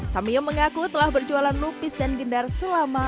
samyem mengaku telah berjualan lupis dan gendar selama lima puluh tahun